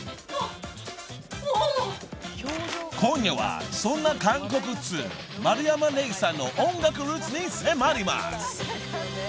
［今夜はそんな韓国通丸山礼さんの音楽ルーツに迫ります］